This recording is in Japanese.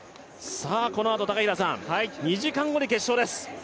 このあと２時間後に決勝です。